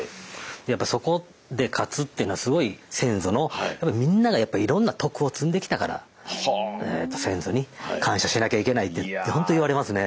「やっぱそこで勝つっていうのはすごい先祖のみんながいろんな徳を積んできたから先祖に感謝しなきゃいけない」ってほんと言われますね。